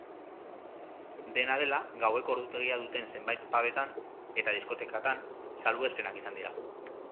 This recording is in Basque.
Dena dela, gaueko ordutegia duten zenbait pubetan eta diskotekatan salbuespenak izan dira.